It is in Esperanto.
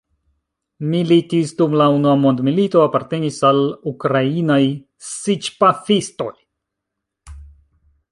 Militis dum la Unua mondmilito, apartenis al Ukrainaj siĉ-pafistoj.